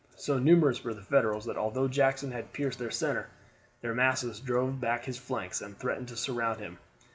So numerous were the Federals, that although Jackson had pierced their center, their masses drove back his flanks and threatened to surround him.